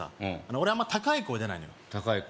俺あんまり高い声出ないのよ高い声